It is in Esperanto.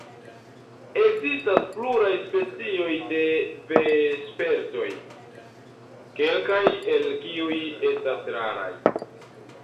Ekzistas pluraj specioj de vespertoj, kelkaj el kiuj estas raraj.